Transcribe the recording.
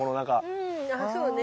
うんあそうね。